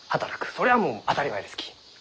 それはもう当たり前ですき。